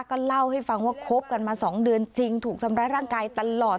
ก็เล่าให้ฟังว่าคบกันมา๒เดือนจริงถูกทำร้ายร่างกายตลอด